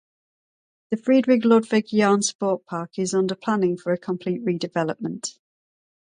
The Friedrich-Ludwig-Jahn-Sportpark is under planning for a complete redevelopment.